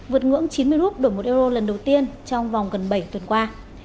vượt ngưỡng chín mươi rút đổi một euro lần đầu tiên trong vòng gần bảy tuần qua